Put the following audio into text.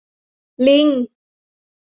ลิง !